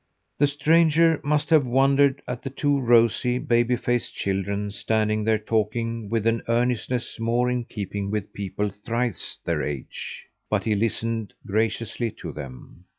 The stranger must have wondered at the two rosy, baby faced children standing there talking with an earnestness more in keeping with people thrice their age; but he listened graciously to them.